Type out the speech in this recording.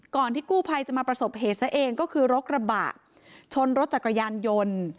ที่กู้ภัยจะมาประสบเหตุซะเองก็คือรถกระบะชนรถจักรยานยนต์